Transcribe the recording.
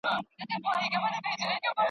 پر يارانو شنې پيالې ډكي له مُلو.